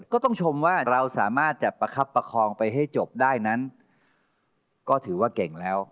ก็ต้องชมว่าเราสามารถจะประคับประคองไปให้จบได้นั้นก็ถือว่าเก่งแล้ว